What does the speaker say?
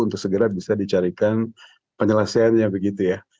untuk segera bisa dicarikan penyelesaiannya begitu ya